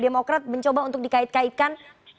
demokrat mencoba untuk dikait kaitkan